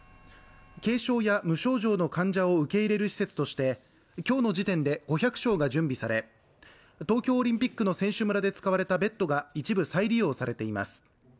軽症や無症状の患者を受け入れる施設としてきょうの時点で５００床が準備され東京オリンピックの選手村で使われたベッドが一部再利用されています